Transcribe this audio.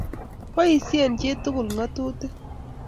boisien chitugul ng'atutik.